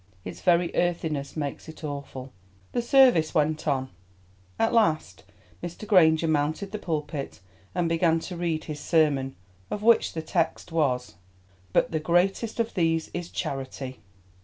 Its very earthiness makes it awful. The service went on. At last Mr. Granger mounted the pulpit and began to read his sermon, of which the text was, "But the greatest of these is charity."